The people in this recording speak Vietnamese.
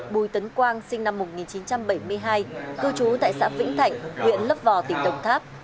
bùi tấn quang sinh năm một nghìn chín trăm bảy mươi hai cư trú tại xã vĩnh thạnh huyện lấp vò tỉnh đồng tháp